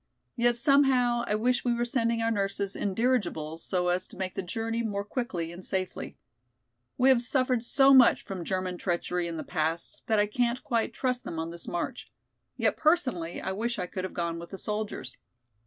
Yet somehow I wish we were sending our nurses in dirigibles so as to make the journey more quickly and safely. We have suffered so much from German treachery in the past that I can't quite trust them on this march. Yet personally I wish I could have gone with the soldiers."